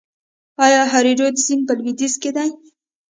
آیا هریرود سیند په لویدیځ کې دی؟